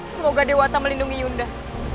semoga dewa atam melindungi yunda